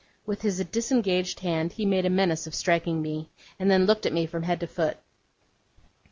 With his disengaged hand he made a menace of striking me, and then looked at me from head to foot.